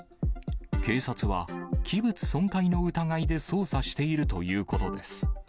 警察は、器物損壊の疑いで捜査しているということです。